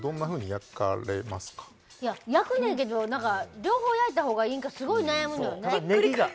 いや焼くねんけど何か両方焼いた方がいいんかすごい悩むのよね。